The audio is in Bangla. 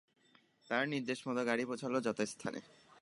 তার নির্দেশমত গাড়ি পৌঁছল যথাস্থানে।